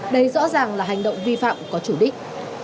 đây rõ ràng là hành động vi phạm có chủ đích